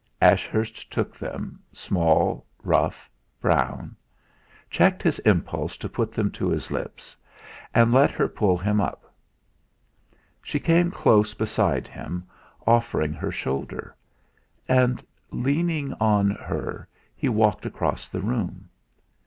Ashurst took them, small, rough, brown; checked his impulse to put them to his lips, and let her pull him up. She came close beside him, offering her shoulder. And leaning on her he walked across the room.